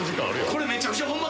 これめちゃくちゃホンマ